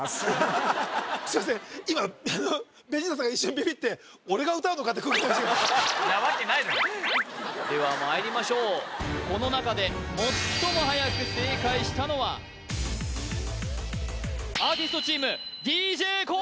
今ベジータさんが一瞬ビビって・なわけないではまいりましょうこの中で最もはやく正解したのはアーティストチームＤＪＫＯＯ！